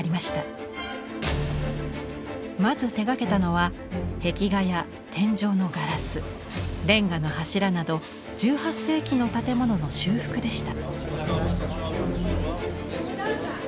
まず手がけたのは壁画や天井のガラスレンガの柱など１８世紀の建物の修復でした。